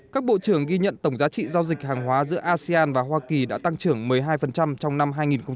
các bộ trưởng ghi nhận tổng giá trị giao dịch hàng hóa giữa asean và hoa kỳ đã tăng trưởng một mươi hai trong năm hai nghìn hai mươi